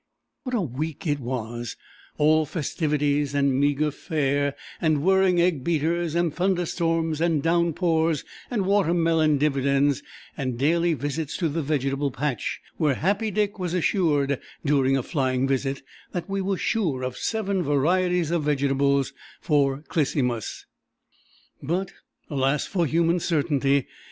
What a week it was—all festivities, and meagre fare, and whirring egg beaters, and thunderstorms, and downpours, and water melon dividends, and daily visits to the vegetable patch; where Happy Dick was assured, during a flying visit, that we were sure of seven varieties of vegetables for "Clisymus." But alas for human certainty!